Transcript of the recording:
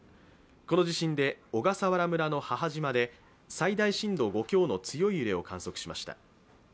この地震で小笠原村の母島で最大震度５強の強い揺れを観測しました。